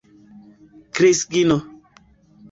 Krisigno.